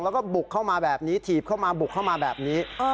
แล้วก็บุกเข้ามาแบบนี้ถีบเข้ามาบุกเข้ามาแบบนี้